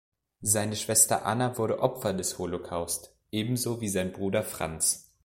Seine Schwester Anna wurde Opfer des Holocaust, ebenso sein Bruder Franz.